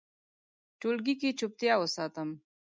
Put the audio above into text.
ټولګي کې چوپتیا وساتم.